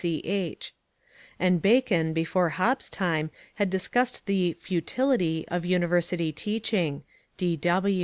W.C.H.] [And Bacon before Hobbe's time had discussed the "futility" of university teaching.